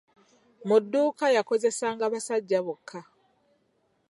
Mu dduuka yakozesanga basajja bokka!